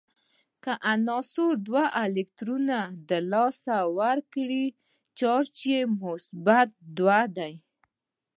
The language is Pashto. که عنصر دوه الکترونونه د لاسه ورکړي چارج یې مثبت دوه دی.